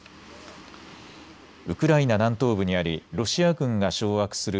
ウクライナ南東部にありロシア軍が掌握する